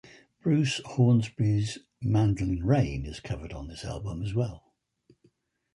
Bruce Hornsby's "Mandolin Rain" is covered on this album as well.